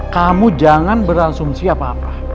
kamu jangan berasumsi apa apa